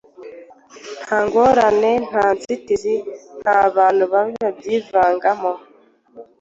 nta ngorane, nta nzitizi, nta bantu babi babyivangamo –